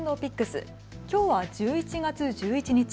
きょうは１１月１１日。